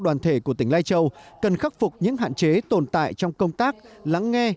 đoàn thể của tỉnh lai châu cần khắc phục những hạn chế tồn tại trong công tác lắng nghe